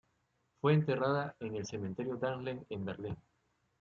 Fue enterrada en el Cementerio Dahlem, en Berlín.